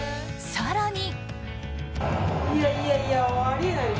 更に。